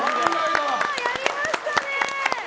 やりましたね。